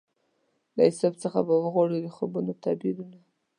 له یوسف څخه به غواړم د خوبونو تعبیرونه